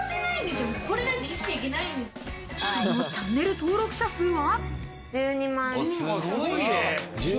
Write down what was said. そのチャンネル登録者数は。